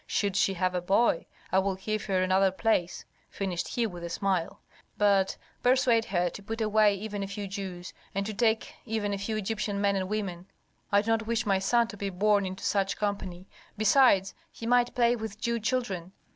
Should she have a boy, I will give her another place," finished he with a smile. "But but persuade her to put away even a few Jews, and to take even a few Egyptian men and women. I do not wish my son to be born into such company; besides, he might play with Jew children.